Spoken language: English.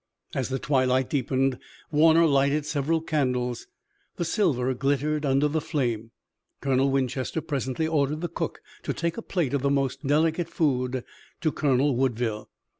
As the twilight deepened Warner lighted several candles. The silver glittered under the flame. Colonel Winchester presently ordered the cook to take a plate of the most delicate food to Colonel Woodville.